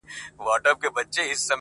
o د وخت څپه تېرېږي ورو,